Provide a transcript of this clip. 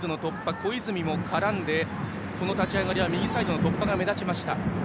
小泉も絡んで立ち上がりは右サイドの突破が目立ちました。